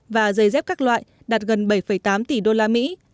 và giày dép các loại đạt gần bảy tám tỷ usd